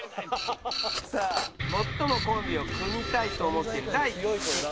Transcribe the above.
さあ最もコンビを組みたいと思っている第１位。